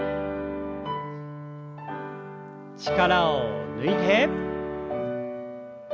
力を抜いて。